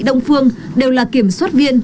đông phương đều là kiểm soát viên